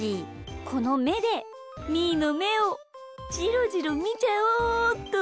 このめでみーのめをじろじろみちゃおうっと。